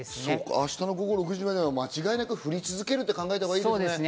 明日の午後までは間違いなく降り続けると考えたほうがいいですね。